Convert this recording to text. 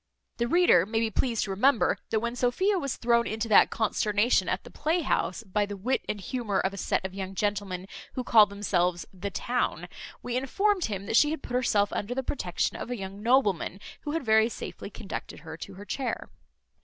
The reader may be pleased to remember, that when Sophia was thrown into that consternation at the playhouse, by the wit and humour of a set of young gentlemen who call themselves the town, we informed him, that she had put herself under the protection of a young nobleman, who had very safely conducted her to her chair.